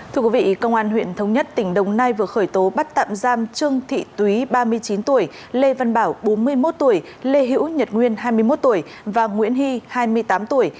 thưa quý vị công an huyện thống nhất tỉnh đồng nai vừa khởi tố bắt tạm giam trương thị túy ba mươi chín tuổi lê văn bảo bốn mươi một tuổi lê hữu nhật nguyên hai mươi một tuổi và nguyễn hy hai mươi tám tuổi